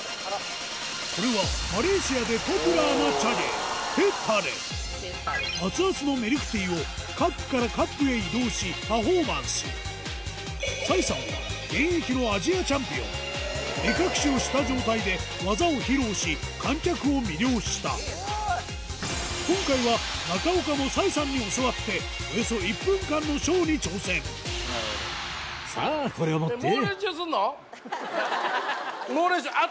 これはマレーシアでポピュラーな茶芸テ・タレ熱々のミルクティーをカップからカップへ移動しパフォーマンスサイさんは現役のアジアチャンピオン目隠しをした状態で技を披露し観客を魅了した今回は中岡もサイさんに教わってスタートアア。